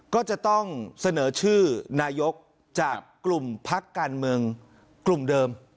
ก็จะต้องเสนอชื่อนายกจากกลุ่มพักการเมืองกลุ่มเดิม